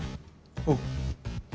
おう。